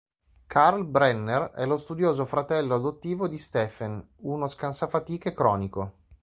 Karl Brenner è lo studioso fratello adottivo di Stephen uno scansafatiche cronico.